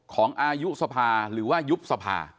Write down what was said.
ของอายุสภาหรือว่ายุบสภา